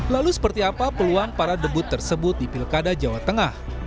lalu seperti apa peluang para debut tersebut di pilkada jawa tengah